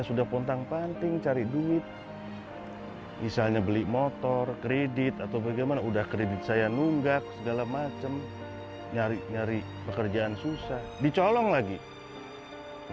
semoga tidak semakin terkejelak